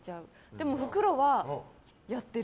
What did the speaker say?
でも袋はやってる。